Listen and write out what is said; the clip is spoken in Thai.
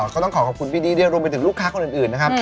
ก็ต้องขอขอบคุณพี่ดี้ด้วยรวมไปถึงลูกค้าคนอื่นนะครับ